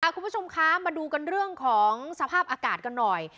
คุณผู้ชมคะมาดูกันเรื่องของสภาพอากาศกันหน่อย